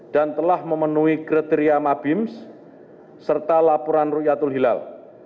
dan telah memenuhi kriteria mabims serta laporan rukyatul hilal